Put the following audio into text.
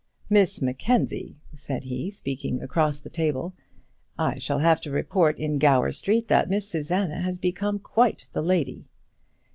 "Miss Mackenzie," said he, speaking across the table, "I shall have to report in Gower Street that Miss Susanna has become quite the lady."